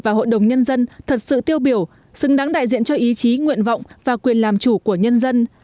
và hội đồng nhân dân thật sự tiêu biểu xứng đáng đại diện cho ý chí nguyện vọng và quyền làm chủ của nhân dân